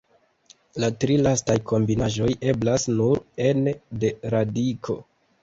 La tri lastaj kombinaĵoj eblas nur ene de radiko.